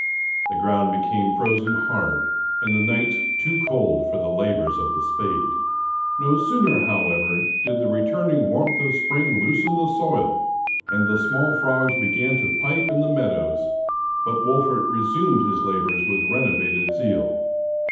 The ground became frozen hard, and the nights too cold for the labors of the spade. No sooner, however, did the returning warmth of spring loosen the soil, and the small frogs begin to pipe in the meadows, but Wolfert resumed his labors with renovated zeal.